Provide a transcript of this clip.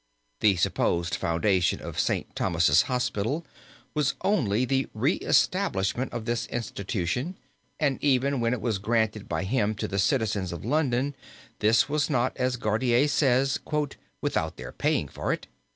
The supposed foundation of St. Thomas' Hospital was only the reestablishment of this institution, and even when it was granted by him to the citizens of London, this was not, as Gairdner says, "without their paying for it."